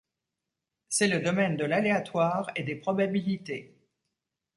C'est le domaine de l'aléatoire et des probabilités.